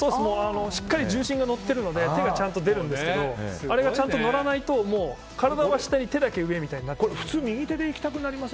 しっかり重心が乗っているので手がちゃんと出るんですけどあれがちゃんと乗らないと体は下、手は上みたいになっちゃうんです。